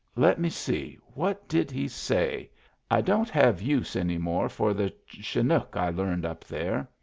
Let me see. What did he say? I don't have use any more for the Chinook I learned up there.